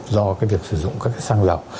do cái việc sử dụng các cái xăng lọc